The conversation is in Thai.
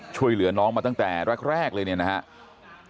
ช่วยเหลือน้องมาตั้งแต่แรกเลยเนี่ยนะครับ